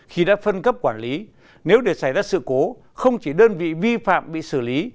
khi đã phân cấp quản lý nếu để xảy ra sự cố không chỉ đơn vị vi phạm bị xử lý